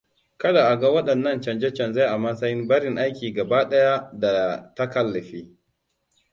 Kada a ga waɗannan canje-canje a matsayin barin aiki gaba ɗaya da takalifi.